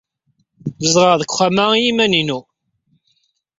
Zedɣeɣ deg wexxam-a i yiman-inu.